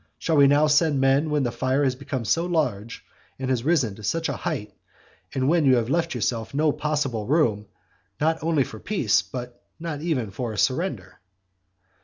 Shall we now send men when the fire has become so large and has risen to such a height, and when you have left yourself no possible room, not only for peace, but not even for a surrender?